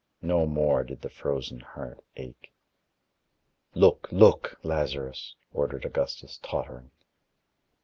No more did the frozen heart ache. "Look, look, Lazarus," ordered Augustus tottering.